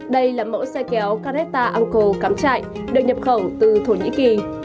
đây là mẫu xe kéo caretta uncle cắm trại được nhập khẩu từ thổ nhĩ kỳ